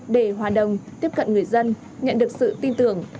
để hòa đồng tiếp cận người dân nhận được sự tin tưởng